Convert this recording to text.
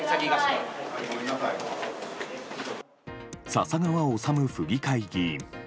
笹川理府議会議員。